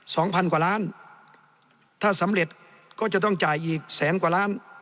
สองพันกว่าล้านถ้าสำเร็จก็จะต้องจ่ายอีกแสนกว่าล้าน